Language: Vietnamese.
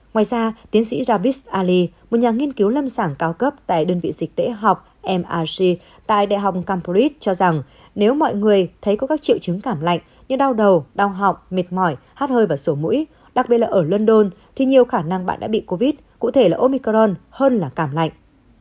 ngoài ra tiến sĩ jabis ali một nhà nghiên cứu lâm sàng cao cấp tại đơn vị dịch tễ học mrg tại đại học campurit cho rằng nếu mọi người thấy có các triệu chứng cảm lạnh như đau đầu đau họng mệt mỏi hát hơi và sổ mũi đặc biệt là ở london thì nhiều khả năng bạn đã bị covid cụ thể là omicron hơn là cảm lạnh